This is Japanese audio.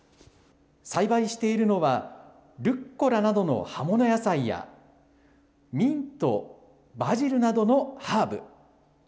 栽培しているのは、ルッコラなどの葉物野菜やミント、バジルなどのハーブ。